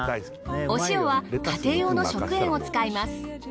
お塩は家庭用の食塩を使います。